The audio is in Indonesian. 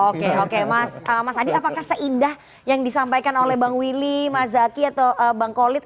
oke oke mas adi apakah seindah yang disampaikan oleh bang willy mas zaky atau bang kolit